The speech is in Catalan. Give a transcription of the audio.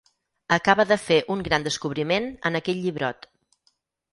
Acaba de fer un gran descobriment en aquell llibrot.